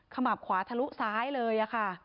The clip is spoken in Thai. ขมับขวาทะลุซ้ายเลย